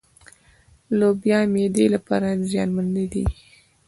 لوبيا معدې لپاره زيانمنې دي.